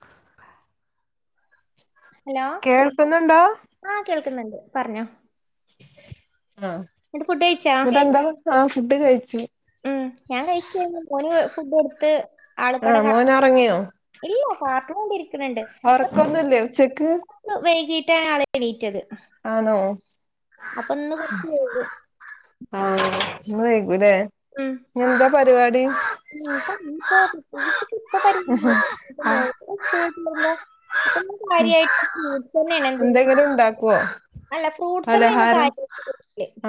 ആ ഹലോ ആഹ കേൾക്കുന്നുണ്ട് പറഞ്ഞോ ആഹ എന്നിട്ട് ഫുഡ് കഴിച്ചാ വിടെന്താ ആ ഫുഡ് കഴിച്ചു ഞാൻ കഴിച്ചിരുന്നു ഓന് ഫുഡ് കൊടുത്ത് ആളപ്പടെ ആഹ് കട മോന് ഒറങ്ങിയോ കാർട്ടൂൺ കൺണ്ടിരിക്ക്ണ് ഒറക്കൊന്നുല്ലേ ഉച്ചക്ക് ണ്ട് വൈകിട്ടാണ് ആൾ എണീറ്റത് ആണോ അപ്പ ഇന്ന് കൊർച് വൈകും ആഹ് [unintelligible] മ് എന്താ പരിപാടി [unintelligible] പ്രത്യേകിച്ചിട്ട് ഇപ്പ [unintelligible] സ്കൂളുടുമ്പോ [unintelligible] അപ്പൊ കാര്യമായിട്ട് [unintelligible] തന്നെയ എന്തെങ്കിലും [unintelligible] ഉണ്ടാക്കുവോ അല്ല ഫ്രൂട്ട്സ് തന്നെമ്മ കാര്യ [unintelligible]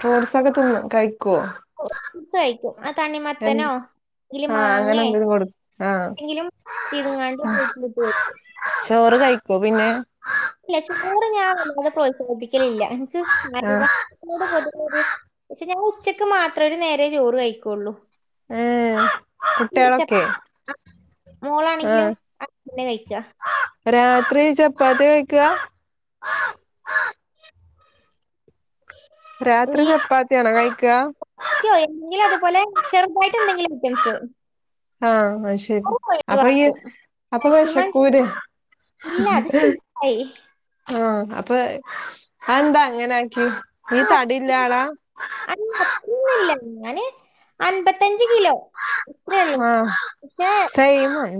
ഫ്രോട്ട്സൊക്കെ തിന്നോ കഴ് [unintelligible] ഇത്തയിക്കും ആ തണിമത്തനോ എന്ത് ഇലെങ്കിൽ ആഹ് അങ്ങനെ മാങ്ങേ എന്തെലും കൊടു ആഹ് എങ്കിലും ഇതങ്ങാണ്ട് [unintelligible] ചോറ് കഴിക്കോ പിന്നെ ഇല്ല ചോർ ഞാൻ വല്ലാതെ പ്രോത്സാഹിപ്പിക്കലില്ല ആഹ് [unintelligible] പക്ഷെ ങ്ങള് ഉച്ചക്ക് മാത്രമേ ഒരുനേരെേ ചോറ് കഴിക്കുള്ളൂ ഏ [unintelligible] മോളാണെങ്കിലും ആഹ് [unintelligible] കഴിക്ക രാത്രി ചപ്പാത്തി കഴിക്ക്വ രാത്രി മി ചപ്പാത്തിയാണോ കഴിക്കാ [unintelligible] തു പോലേ ചെറുതായിട്ട് എന്തെങ്കിലും ഐറ്റംസ് ആഹ ശരി അത് അപ്പൊ ഈ ഒഴിവാക്കും അപ്പൊ മാക്സിമം വേഷകൂലേ ഇല്ല അത് ശീലമായി ആഹ അപ്പൊ അഹ് ന്താ അങ്ങനെ ആക്കി അ [unintelligible] ന്നുല്ല ങ്ങനെ അൻപത്തഞ്ച് കിലോ ഇത്രയള്ളുേ ആഹ് [unintelligible] സെയിം ആണ്.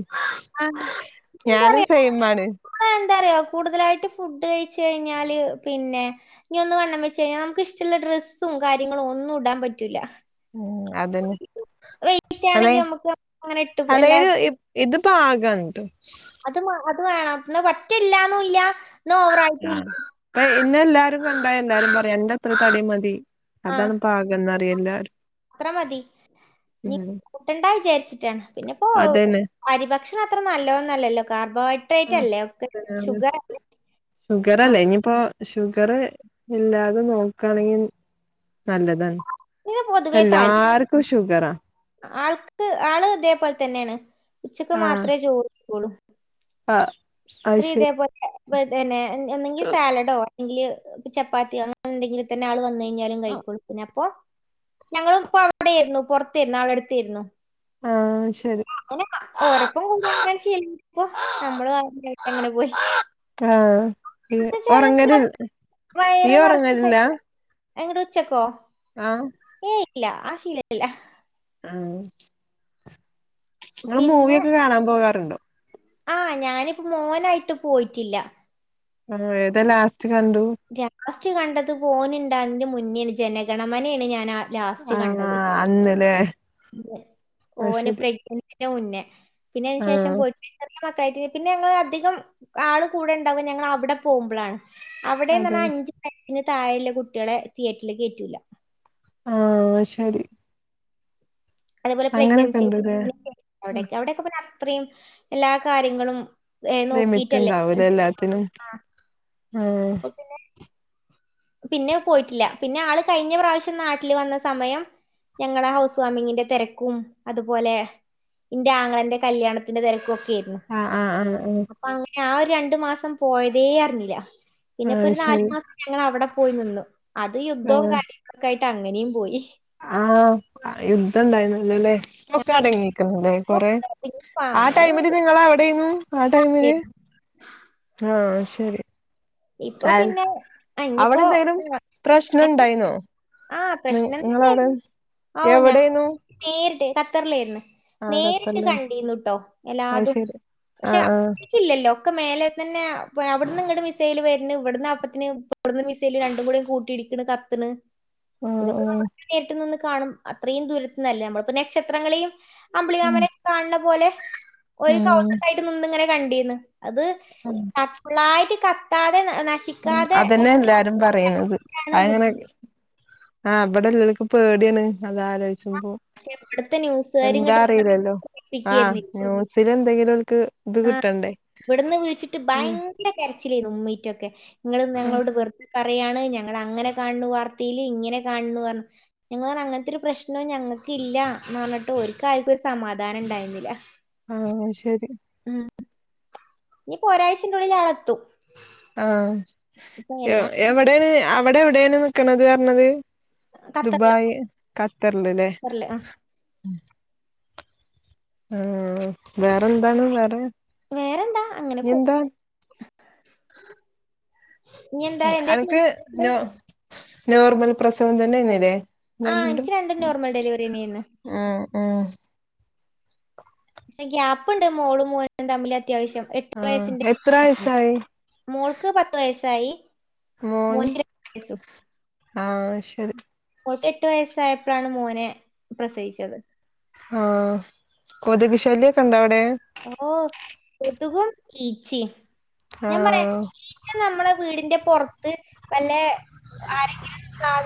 ആഹ ഞാനും സെയിം [unintelligible] ആണ് ആ ന്താർയോ കൂട്തലയിട്ട് ഫുഡ് കഴിച്ച കഴഞ്ഞല് പിന്നെനി ഒന്ന് വണ്ണം വെച്ച കഴിഞ്ഞാൽ നമുക്ക് ഇഷ്ള്ള ഡ്രസ്സ്‌ ഡ്രെസ്സും കാര്യങ്ങളും ഒന്നും ഇടാൻ പറ്റൂില്ല ഉ അതന്നെ വെയിറ്റ് ആണെങ്കി [unintelligible] നമുക്ക് അങ്ങനെ ഇട്ട് അല്ലെലും എല്ലാർക്കും ഈ ഇത് പ്പാകണ്ട് അത് വാ അത് വേണം ന്നാ പറ്റെ ല്ലാന്നുല്ല ന്നാ ഓവറായിട്ടുംല്ല ഇന്ന എല്ലാരും കണ്ട എല്ലാരും പറിം എന്റെത്ര തടിമതി ആഹ് അതാണ് പാകം എന്നന്ന്റിയാം എല്ലാരും അത്ര മതി ഉം കൂട്ടണ്ട വിചാരിച്ചിട്ടാണ് പിന്നെപ്പോ അതന്നെ അരി ഭക് ഭക്ഷണം അത്ര നല്ലോ എന്നല്ലോ കാരണം കാബോഹൈഡ്രേറ്റ് ആഹ് അല്ലേ ഒക്കെ അതന്നെ അതന്നെ. ഷുഗർല്ലെ ഷുഗറല്ലേ അപ് ഇനിയിപ്പോ ഷുഗറ് ഇല്ലാതെ നോക്കയാണെങ്കിൽ നല്ലതാണ് ഇതിന് പൊതുവേ താല്പര്യം എല്ലാർ ക്കും ഷുഖ ആൾക്ക് ആള് ഇതേപോലെ തന്നെയാണ് ഉച്ചക്ക് മാത്രമേ ചോദുള്ളൂ ആ ആ ശരി ഇതന്നെ എന്തെങ്കിൽ സാലഡോ അല്ലെങ്കില് ചപ്പാത്തി അങ്ങനെ എന്തെങ്കിലും തന്നെ ആൾ വന്ന കാല കഴൊെ അപ്പൊ ഞങ്ങളും ഇപ്പ അവിടെയിരുന്നു പുറത്തരുന്നു ആള എടുത്തരുന്നു ആഹ അ ഓരപ്പം കൊടുങ്ങ ചെയ്യല്ല ഇപ്പ നമ്മള് ആരുായിട്ട് അങ്ങനെ പോയി ആഹ ഉറങ്ങല ഈ ഉറങ്ങലില്ലാ എങ്ങട്ട ഉച്ചക്കോ ആഹ ഏയ് ഇല്ല ആ ശീലല്ല ആ നിങ്ങള്ൾ മൂവിയൊക്കെ കാണാൻ പോകാറുണ്ട്ോ ആഹ ഞാനിപ്പോ മോനായിട്ട് പോയിട്ടില്ല ആ ഏതെല്ലാം ലാസ്റ്റ് കണ്ടു ലാസ്റ്റ് കണ്ടത് പോനുണ്ട അതിന്റെ മുന്നോണ് ജനഗണമനയാണ് ഞാൻാ ലാസ്റ്റ് ആഹ് കണ്ടത് അന്ന്ല്ലേ അത് ഓന ശരി പ്രഗ്നൻസി മുന്നേ പിന്നെ അതിനന് ശേഷം ആഹ് പോ മക്കളായിട്ട പിന്നെ ഞങ്ങൾ അധികം ആള് കൂടെണ്ടാവും ഞങ്ങ അവിടെ പോകുമ്പോഴാണ് അവിടെന്ന് അതെ പറഞ്ഞാൽ അഞ്ചു വയസ്സിന് താഴെയുള്ള കുട്ടികളെ തിയേറ്ററില് കയറ്റൂല ആഹ ശരി അതേപോലെ അങ്ങനൊക്കെ പ്രഗ്നൻസി ഇണ്ട്ല്ലേ അ അവിടെൊക്കെ അത്രയും എല്ലാ കാര്യങ്ങളും ഏഹ് ലിമിറ്റ് നോക്കിയിട്ടല്ലേ. ഉണ്ടാവൂല എല്ലാത്തിനും ആഹ് ആഹ അപ്പൊ പിന്നെ പിന്നെ പോയിട്ടില്ല പിന്നെ ആള് കഴിഞ്ഞ പ്രാവശ്യം നാട്ടില് വന്ന സമയം ഞങ്ങളെ ഹൗസ് വാമിങ്ങിന്റെ തിരക്കും അതുപോലെ ഇന്റെ ആങ്ങളാന്റെ കല്യാണത്തിന്റെ തിരക്കൊക്കെ ആഹ ആഹ് ആഹ് ആഹ ആ ഒരു രണ്ടു മാസം പോയതേ അറിഞ്ഞില്ല പിന്നെ ഇപ്പോൊ അത് ഒരു നാാലു ശരി മാസം ഞങ്ങ അവിടെ പോയി നിന്നു അത് യുദ്ധവും കാര്യങ്ങളൊക്കെ ആയിട്ട് അങ്ങനെയും പോയി ആഹ യുധ ഇണ്ടായിുന്നല്ലല്ലേ നക്ക അടങ്ങക്ക ഞാനിപ്പോ കൊറ ആ എന്നാലും ടൈമിൽ അത് നിങ്ങവിടെ ആ ടൈമില് ആഹ ശരി ഇപ്പൊ പിന്നെ അവിടെ അനിയിപ്പോൊ എന്തെങ്കിലും പ്രശ്നം ഉണ്ടായിന്നോ ആഹ പ്രശ്നംന്തന്ന നിങ്ങളവിടെ ഓ ഞാൻ എവിടെന്നു നേരിട്ട് ഖത്തറിലായിന്ന് ആ നേരിട്ട് ഖത്തറില് കണ്ടിന്നുട്ടോ എല്ലാ അത് അതും ശരി പക്ഷെ ആഹ് ആഹ് അക്കില്ലല്ലോ മേലെ തന്നെ അവിടുന്ന് ഇടെ മിസൽ വരുന്ന ഇവിടുന്ന് അപ്പത്തിന് ഇവിടുന്ന് മിസൈൽ രണ്ടും കൂടെ കൂട്ടിടിക്കണ് കത്തണ് ആഹ് ഇതൊക്കെ നമ്മ ആഹ് നേരിട്ട് നിന്ന് കാണും അത്രയും ദൂരത്തന്നല്ലേ നമ്മളിപ്പോ നക്ഷത്രങ്ങളെയും ഉം അമ്പ്ളികാമന കാണ പോലെ ഒരു ഉം കൗതക്കായിട്ട് നിന്ന ഇങ്ങനെ കണ്ടീന്ന് അത് ക ഫുള്ളായിട്ട് ക ഉ അതന്നെ എല്ലാരും പറയുന്നത് ാണ് അങ്ങനെ ബുദ്ധിമുട്ട് ആ അവിടെല്ലക്ക പേടിയാണ് അതലോചിച്ച്പോ പക്ഷെ ഇവിടുത്തെ ന്യൂസുകാര് എന്താ ഇങ്ങട്ട് അറില്ലല്ലോ ആഹ ന്യൂസില എന്തെങ്കിലൊക്കക്ക് ആഹ് ഇവിടുന്ന് വിഴിച്ചിട്ട് ഭയങ്കര കരച്ചിലായി ഉമ്മീറ്റൊക്കെ നിങ്ങളൾ ആഹ് ഞങ്ങളോട് വെറു പറയാണ് ഞങ്ങ അങ്ങനെ കാണണ വാർത്തയിൽ ഇങ്ങനെ കാണു പറു ഞങ്ങ പറഞ്ഞ അങ്ങനത്തെൊ ഒരു പ്രശ്നവും ഞങ്ങ അതൊക്കെ ഇല്ലന്ന് പറഞ്ഞിട്ട് ഒ കാര്ക്ക ഒരു സമാധാനം ഉണ്ടായിരുന്നില്ല ആഹ ശരി ഉം ഇനിപ്പോൊ ഒരാഴ്ച്ച ഉള്ളിൽ ഇയാള എത്തും ആഹ എവിടൊണ് അവിടെ എവിടെയാണ് നിക്കണത് പറഞ്ഞത് ഖത്തറില് ദുബായ് ഖത്തറിലല്ലേ ഖത്തറില്. ആഹ്. ആ വേറെ എന്താണ് വേറെ വേറെന്താ അങ്ങനെ പോ ഇനിയെന്താ അനക്ക് നോ നോർമൽ പ്രസവം തന്നെ ര്ന്നല്ലേ ആഹ് ഗണ്ടു എനിക്ക് രണ്ടും നോർമൽ ഡെലിവറി തന്നെയായിരുന്നു. ആഹ പക്ഷെ ഗ്യാപ്പ്ുണ്ട് മോളും മോും തമ്മില അത്യാവശ്യം എട്ട് ആഹ് എത്ര വയസ്സിന്റെ്യസ വയസായി മോൾക്ക് പത്ത് വയസ്സായി മസ്രി കേസു ആഹ ശരി എട്ട് വയസ്സായപ്പോഴാണ് മോനെ പ്രസയിിച്ചത് ആഹ കൊതക് ശല്ിൊക്കെ ഉണ്ടോ അവിടെ ഓ ത്തഖ ഇച്ചി ഞാൻ പറയാം ആഹ് ഈച്ച നമ്മെ വീടിന്റെ പുറത്ത് വല്ല ആരെങ്കിലും സധ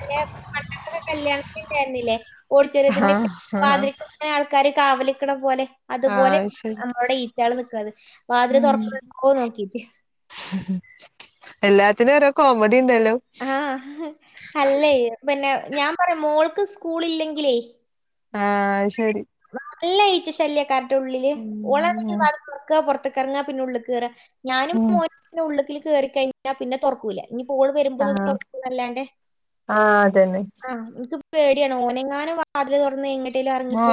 അല്ലെ പണ്ടത്തക്ക കല്യാണത്തിണ്ടായിരുന്നില്ലേ ഓളിച്ചരത്തിന്റെ ആഹ് ആഹ് മാതിക ആൾക്കാാര് കാവലിക്കണ പോലെ അതുപോലെ ആഹ് ശരി നമ്മളുടെ ഈറ്റ ആള് നക്കണത് വാതില് ഉം തുറക്ക നോക്കീട്ട് എല്ലാത്തിനും ര കോമഡി ഇണ്ടല്ലോ ആഹ അല്ലേ പിന്നെ ഞാൻ പറയാ മോൾക്ക് സ്കൂൾ ഇല്ലെങ്കിലേ ആഹ ശരി നല്ല ഈറ്റ ശല്യ കറട്ട ഉള്ളില് ളണെങ്കിൽ ഉം വക്ക പുറത്ത റങ്ങാ പിന്നെ ഉള്ളിൽ കേയറ ഞാനും ഉം മോ ഉള്ളത്തിൽ കേറ കഴിഞ്ഞാൽ പിന്നെ തുറക്കൂലേ ഇ പൂള് ആഹ് വരുമ്പോന്നൊക്കല്ലാണ്ടേ ആഹ് അതന്നെ ആ എനിക്ക് പേടിയാണ് ഓനെങ്ങാനും വാതില തുറന്ന് എങ്ങട്ടേലും മോ ഇറങ്ങിപ്പോ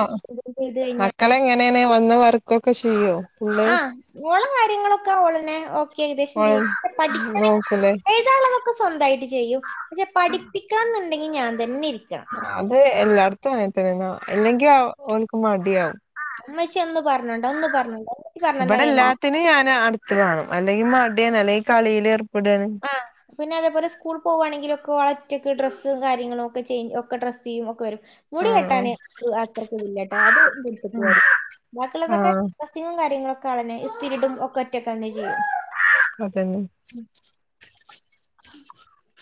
ചെയ്ത് കഴിഞ്ഞാല് മക്കളെങ്ങനെയാണ് വന്ന വർക്കൊക്കെ ചെയ്യോ ഫുള്ള് ആോള കാര്യങ്ങളൊക്കെ ഓളെന്നെ ഒക്കെ ഏകദേശം ഓൺ ചെയ്യ പഠി നോക്കൂലേ എഴുതാനുള്ളതൊക്കെ സ്വന്തമായിട്ട് ചെയ്യും പക്ഷെ പഠിപ്പിക്കണം എന്നുണ്ടെങ്കിൽ ഞാൻ തന്നെ ഇ അത് എല്ലായിടത്തും അങ്ങനത്തന്നെന്നാ ഇല്ലെങ്കിൽ ആ ഓലിക്ക് മടിയാാവും അമ്മച്ചി ഒന്ന്ും പറഞ്ഞുണ്ട് ഒന്ന്ും പറഞ്ഞുണ്ട്ോ ഇവിടെ എല്ലാത്തിനും ഞാൻ അടുത്ത് കാണും അല്ലെങ്കിൽ മടിയൻ അല്ലെങ്കിൽ കളിൽ ആ പിന്നെ അതേപോലെ സ്കൂൾ പോകുകവാണെങ്കിലും ഒക്കെ വള ഒറ്റക്ക് ഡ്രസ്സ കാര്യങ്ങളും ഒക്കെ്ച് ഒക്കെ ഡ്രസ്്യുയ്‌മ ഒക്കെ വരും മുടി ആഹ് കെട്ടാന് അത്രർക്കത് ഇല്ലട്ടോ അത് വിടുപ്പ വരും ബാക്കിയുള്ളതൊക്കെ ആഹ് ഡ്രെസ്സിങ്ങും കാര്ങ്ങളൊക്കെ അതന്നെ സ്ഥിരിടും ഒക്കെ ഒറ്റൊക്കെ അതന്നെ [inaudible]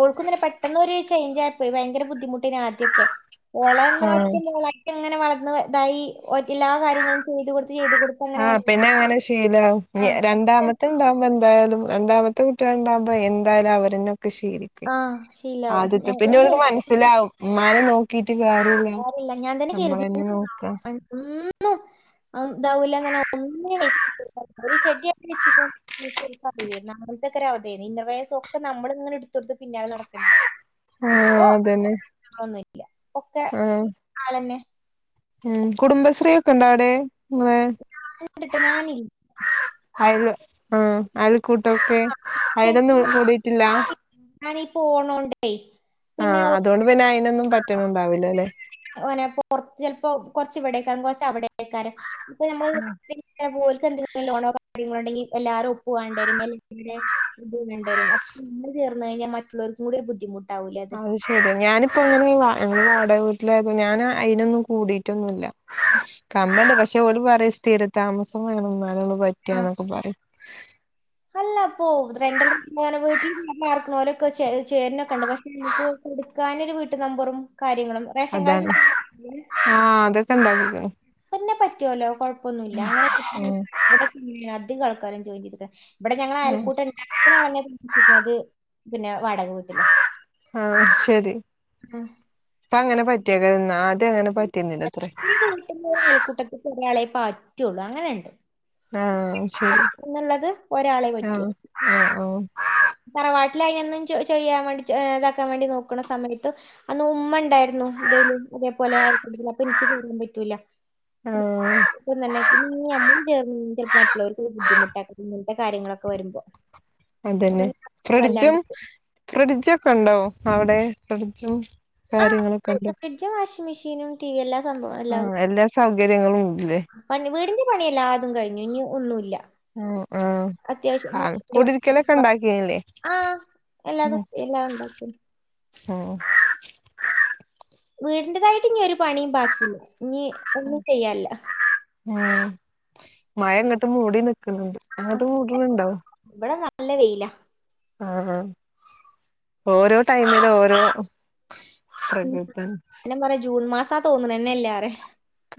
ഓൾക്കുതന്നെ പെട്ടെന്നൊരു ചേഞ്ച് ആപ്പോയി ഭയങ്കര ബുദ്ധിമുട്ട് പിനെ ആദ്യക്കെ ഓളെന്ന ആഹ് വറ്റല്ലളക്കെ ഇങ്ങനെ വളർന്ന് ഇതായി ഓറ്റ എല്ലാ കാര്യങ്ങളും ചെയ്ത് കൊടുത്ത് ചെയ്ത് കൊടുത്ത് അങ്ങനെ ആഹ് വന്ന പിന്നെ അങ്ങനെ ശീലാവും ആ രണ്ടാമത്തെ ഉണ്ടാവുമ്പോ എന്തായാലും രണ്ടാമത്തെ കുട്ടികളണ്ടാകുമ്പൊ എന്തായാലും അവരുന്ന ശരി ആഹ് ശീലാവും ആത്തെ ഞാൻ- എനിക്ക് പിന്നെക്ക് മനസ്സിലാവുംമാനെ നോക്കിട്ട മ കയല്ല സാരമില്ല ഞാൻ നമ്മളെന്നെ നോക്കന് ന്താവൂല്ല്യനറഞ്ഞ ഒന്നി വെച്ച് ഒരു ഷെഡ്‌ഡി വെച്ച റ ല ന് അങ്ങത്തൊ ക്കെര് അവധയിരുന്നു ഇന്നർവെയർസ ഒക്കെ നമ്മള് ഇങ്ങനെ ഇടത്തോട് പിന്നാലെ നടക്കണ്ടി ആഹ് ഇപ്പൊ അതന്നെ തന്ന ക്കെ ആഹ് ആളന്നെ ഉം കുടുംബശ്രീ ഒക്കെ ഉണ്ട അവിടെ കേട്ടോ ഞാനില്ല അല് ആ അൽ കൂട്ടൊക്കെ ആ, അയിനൊന്നും കൂടിയിട്ടില്ല ഞാനീ പോണോണ്ടേ ആ പിന്നെ ഓ- അതുകൊണ്ട് പിന്നെ അയിനൊന്നും പറ്റണണ്ടാവില്ലല്ലെ. [unintelligible] [unintelligible] പറത്ത് ചെലപ്പോ കൊറച്ച് ഇവിടേക്കാര [unintelligible] കൊറച്ച് അവിടക്കാരും [unintelligible] ഇപ്പ ഞമ്മള് [unintelligible] ലോണോ കാര്യങ്ങളൊണ്ടെങ്കി എല്ലാരേം ഒപ്പ് വേണ്ടി വരും. ർന്ന് കഴിഞ്ഞാ മറ്റുള്ളർക്ക് കൂടി ഒരു ബുദ്ധിമു അത് ശെരി. ഞാനിപ്പോ വാടക വീട്ടിലായത്. ഞാനൊന്നും അതിനൊന്നും കൂടീ ട്ടൊന്നുമില്ല. കമ്പണ്ട്. പക്ഷെ, ഓര്‌ പറയും സ്ഥിര താമസം വേണന്ന് പറ്റിയ എന്നൊക്കെ പറയും. അല്ലപ്പൂ, വീട്ടിൽ ചേരുന്നൊക്കെ ഉണ്ട് പക്ഷെ നിനക്ക് എടുക്കാനൊരു വീട്ടു നമ്പറും കാര്യങ്ങളും. റേഷൻ അതാണ് കാർഡ്ണ്ടാ [unintelligible] പിന്നെ പറ്റുവല്ലോ. കൊഴപ്പോന്നുല്ല. അങ്ങനെ ഉം ഇവിടെ പിന്നെ അധികം ആൾക്കാരൊന്നും ചോദിക്കുല്ല. ഇവിടെ ഞങ്ങൾ ഉം അയൽക്കൂട്ടണ്ടാക്കിട്ട് കളഞ്ഞത്. അത് പിന്നെ വാടക വീട്ടിലാ. ആ, ശരി. [inaudible] ഇപ്പ അങ്ങനെ പറ്റിയത് അയൽക്കൂട്ടത്തിൽ ഒരാളെ പറ്റുള്ളു അങ്ങനെണ്ട്. ആ ശരി ഒരാളെ ആ ആ ആ. തറവാട്ടിലായിരുന്ന ചെയ്യാൻ വേണ്ടി, ഇതാക്കാൻ വേണ്ടി നോക്കുന്ന സമയത്ത് നോക്കുന്ന അന്ന് ഉമ്മ ഉണ്ടായി ഹലോ! അതേപോലെ ആയിരിക്കില്ല. അപ്പോ എനിക്ക് ജോലി ചെയ്യാൻ പറ്റൂല്ല. ആഹ് ഇപ്പം തന്നെ പിന്നെ ചെലപ്പോ മറ്റുള്ളവർക്ക് ബുദ്ധിമുട്ടാക്ക കാര്യങ്ങളൊക്കെ വരുമ്പോ അപ്പൊ അതന്നെ. പിന്നെ ഫ്രിഡ്ജും, വല്ലാണ്ട് ഫ്രിഡ്ജൊക്കെ ഒണ്ടാവോ അവിടെ? ഫ്രിഡ്ജും ആഹ് കാര്യങ്ങളൊക്കെ ഇണ്ട് ഉണ്ട് ഫ്രിഡ്ജും വാഷിംഗ് മെഷീനും, ടിവി എല്ലാം സംഭവം എല്ലാം. എല്ലാ സൗകര്യങ്ങളും ഇല്ലേ പണി. വീടിന്റെ പണിയെല്ലാം, അതും കഴിഞ്ഞു. ഇനി ഒന്നൂല്ല. ഓ! ആ, ആ കൂടിരിക്കലൊക്കെ ഉണ്ടാക്കിയില്ലേ? എല്ലാത എല്ലാം ഒണ്ടാക്കും. ആ വീടിന്റതായിട്ട് ഇനി ഒരു പണിയും ബാക്കിയില്ല. ഇനി ഒന്നും ചെയ്യാനില്ല. മഴ അങ്ങട്ട് മൂടി നിക്കുന്നുണ്ട്. അങ്ങട്ട് ആഹ് മൂടണണ്ടാവോ? ഇവിടെ നല്ല വെയിലാ. ആ, ഓരോ ടൈമില് ഓരോ ഉം, പ്രകൃതം എന്നാ പറയാ ജൂൺ മാസാ തോന്ന ണെന്നേല്ലാരെ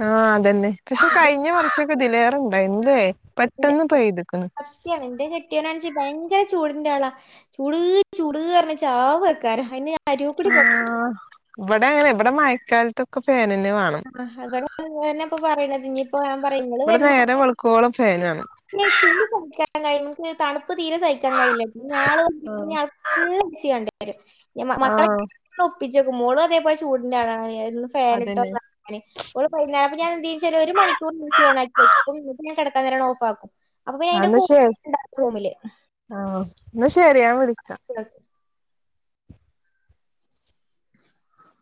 ആ അതന്നെ. പക്ഷെ കഴിഞ്ഞ വർഷൊക്കെ ഇതിലേറെണ്ടാരുന്നല്ലേ പെട്ടെന്ന് പെയ്തേക്കണ് സത്യാണ് എന്റെ കെട്ടിയോനാണെച്ചി ഭയങ്കര ചൂടിന്റെ ആളാ. ചൂട്, ചൂട് പറഞ്ഞാ ചാവ് വെക്കാറ. അയിന് അരൂകൂടി ആ ഇവിടെ അങ്ങനെയാ, ഇവിടെ മയക്കാലത്തൊക്കെ ഫേൻ ആ ഇവിടെ അതന്നെ ഇപ്പൊ പറയണത്. ഇനിയിപ്പോ ഞാൻ പറേന്നത് നിങ്ങള് ഇവിടെ വരുന്ന നേരം വെളുക്കോളം ഫാനാണ് ന്നെ ചൂടു കൂടിയ ടൈമ് ന്നെ തണുപ് പ്പ് തീരെ സഹിക്കാൻ കഴിയില്ല. പിന്നെയാള് ആഹ് പിന്നെയളിത് ചെയ്യാനുണ്ടേ നു ഞാ മ മക്കളെ ആഹ് [unintelligible] ഒപ്പിച്ചക്കും. മോളും അതേ പോലെ ചൂടിന്റെ ആളാണ് ഒന്നു ഫാനിട്ടു അതന്നെ നോക്കാന്. അവളു [unintelligible] ഞാൻ എന്ത് ചെയ്ച്ചാലും ഒരു മണിക്കൂറ് മിക്സി ഓണാക്കി വെയ്ക്കും. എന്നിട്ട് ഞാൻ കിടക്കാൻ നേരം ഓഫാക്കി വെയ്ക്കും. അന്നാ ശരി റൂമില് ആ എന്നാ ശരി ഞാൻ വിളിക്കാം.